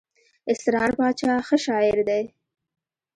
اسرار باچا ښه شاعر دئ.